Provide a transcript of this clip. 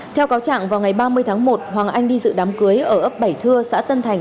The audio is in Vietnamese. theo cáo trạng vào ngày ba mươi tháng một hoàng anh đi dự đám cưới ở ấp bảy thưa xã tân thành